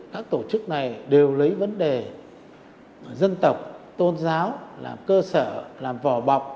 các tổ chức này đều lấy vấn đề dân tộc tôn giáo làm cơ sở làm vò bọc